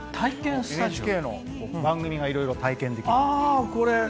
ＮＨＫの番組がいろいろ体験できる。